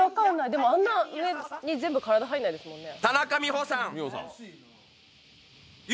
でも、あんな上に全部体入らないですもんね。